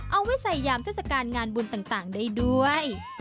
เอาไว้ใส่ยามเทศกาลงานบุญต่างได้ด้วย